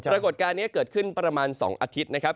ปรากฏการณ์นี้เกิดขึ้นประมาณ๒อาทิตย์นะครับ